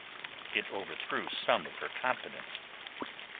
It overthrew some of her confidence.